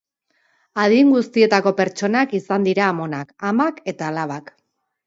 Adin guztietako pertsonak izan dira, amonak, amak eta alabak.